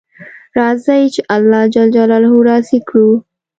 راځئ چې الله جل جلاله راضي کړو